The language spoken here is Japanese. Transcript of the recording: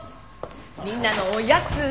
みんなのおやつ。